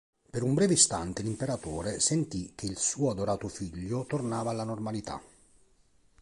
Per un breve istante l'Imperatore sentì che il suo adorato figlio tornava alla normalità.